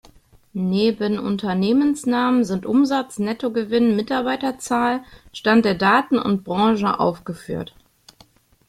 Neben Unternehmensnamen sind Umsatz, Nettogewinn, Mitarbeiterzahl, Stand der Daten und Branche aufgeführt.